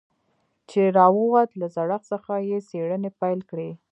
چې راووت له زړښت څخه يې څېړنې پيل کړې.